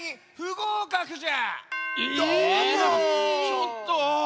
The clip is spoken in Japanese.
ちょっと。